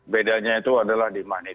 bedanya itu adalah di magnet